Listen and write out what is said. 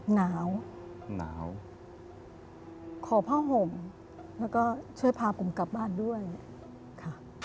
หนาวหนาวขอผ้าห่มแล้วก็ช่วยพาผมกลับบ้านด้วยค่ะ